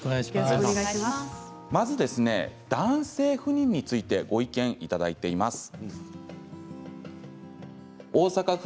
まず男性不妊についてご意見いただいています。